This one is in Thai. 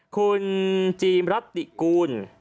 คุณจีมรัตติกูล